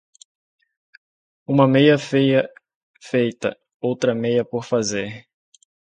Uma meia meia feita, outra meia por fazer.